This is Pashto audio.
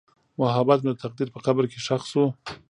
محبت مې د تقدیر په قبر کې ښخ شو.